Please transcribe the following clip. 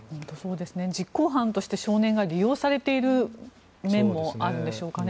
実行犯として少年が利用されている面もあるんでしょうかね。